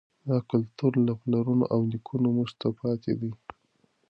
دا کلتور له پلرونو او نیکونو موږ ته پاتې دی.